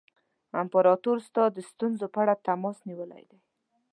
امپراطور ستا د ستونزو په اړه تماس نیولی دی.